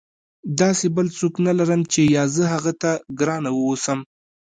داسې بل څوک نه لرم چې یا زه هغه ته ګرانه واوسم.